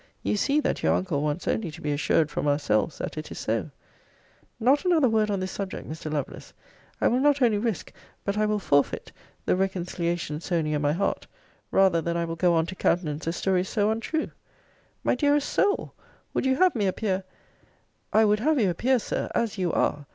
You see that your uncle wants only to be assured from ourselves that it is so Not another word on this subject, Mr. Lovelace. I will not only risk, but I will forfeit, the reconciliation so near my heart, rather than I will go on to countenance a story so untrue! My dearest soul Would you have me appear I would have you appear, Sir, as you are!